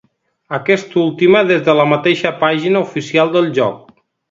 Aquesta última des de la mateixa pàgina oficial del joc.